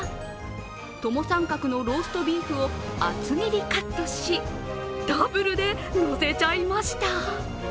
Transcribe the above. トモサンカクのローストビーフを厚切りカットし、ダブルでのせちゃいました。